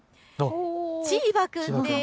チーバくんです。